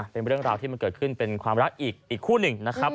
เป็นเรื่องราวที่มันเกิดขึ้นเป็นความรักอีกคู่หนึ่งนะครับ